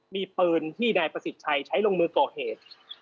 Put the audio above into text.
มีปืนที่นายประสิทธิ์ชัยใช้ลงมือก่อเหตุ